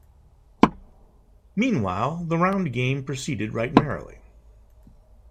Meanwhile the round game proceeded right merrily.